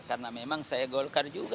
karena memang saya golkar juga